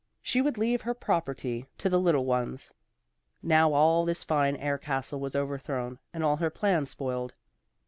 She would leave her property to the little ones. Now all this fine air castle was overthrown and all her plans spoiled.